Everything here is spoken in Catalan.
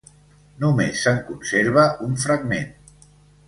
Només se'n conserva un fragment.